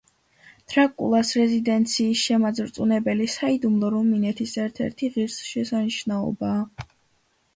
დრაკულას რეზიდენციის შემაძრწუნებელი საიდუმლო რუმინეთის ერთ-ერთი ღირსშესანიშნაობაა.